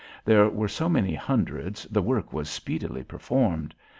There were so many hundreds the work was speedily performed.